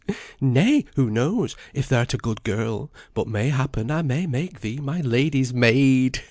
Nay, who knows, if thou'rt a good girl, but mayhappen I may make thee my lady's maid!